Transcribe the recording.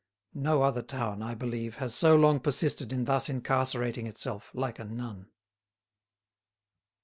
No other town, I believe, has so long persisted in thus incarcerating itself like a nun.